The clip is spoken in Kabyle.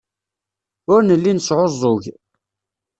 Ur nelli nesɛuẓẓug.